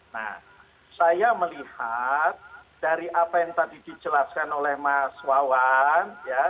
nah saya melihat dari apa yang tadi dijelaskan oleh mas wawan